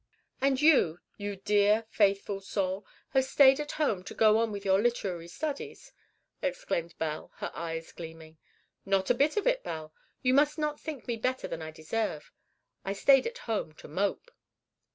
"And you, you dear, faithful soul, have stayed at home to go on with your literary studies?" exclaimed Belle, her eyes gleaming. "Not a bit of it, Belle; you must not think me better than I deserve. I stayed at home to mope."